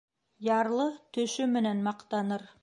Ярлы төшө менән маҡтаныр.